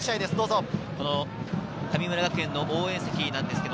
神村学園の応援席です。